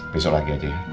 besok lagi aja ya